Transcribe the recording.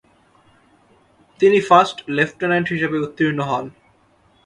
তিনি first lieutenant হিসেবে উত্তীর্ণ হন।